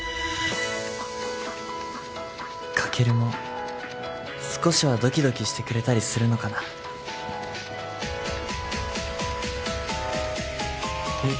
カケルも少しはドキドキしてくれたりするのかなえっ